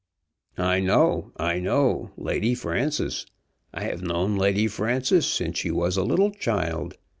"I know; I know; Lady Frances! I have known Lady Frances since she was a little child.